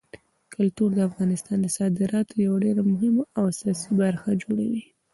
کلتور د افغانستان د صادراتو یوه ډېره مهمه او اساسي برخه جوړوي.